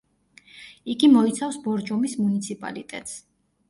იგი მოიცავს ბორჯომის მუნიციპალიტეტს.